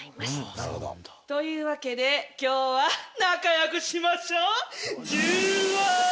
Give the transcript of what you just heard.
なるほど。というわけで今日は仲よくしましょう！